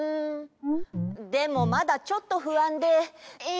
でもまだちょっとふあんで。え！